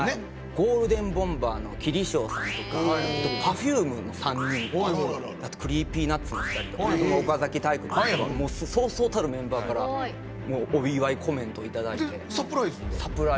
ゴールデンボンバーのキリショーさんとかあとＰｅｒｆｕｍｅの３人あとＣｒｅｅｐｙＮｕｔｓのお二人とか岡崎体育さんとかそうそうたるメンバーからお祝いコメントを頂いて。